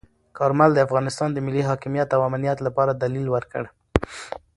کارمل د افغانستان د ملي حاکمیت او امنیت لپاره دلیل ورکړ.